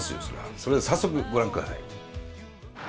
それでは早速ご覧ください。